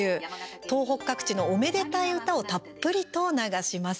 東北各地の、おめでたい唄をたっぷりと流します。